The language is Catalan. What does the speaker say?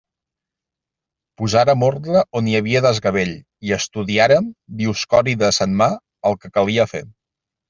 Posàrem ordre on hi havia desgavell i estudiàrem, Dioscòrides en mà, el que calia fer.